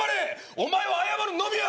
お前は謝るのみや！